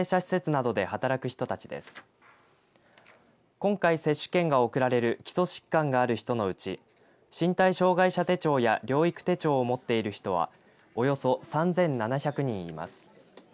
今回、接種券が送られる基礎疾患がある人のうち身体障害者手帳や療育手帳を持っている人はおよそ３７００人います。